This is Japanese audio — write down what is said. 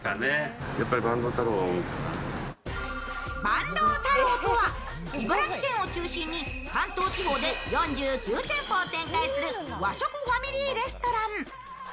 ばんどう太郎とは茨城県を中心に関東地方で４９店舗を展開する和食ファミリーレストラン。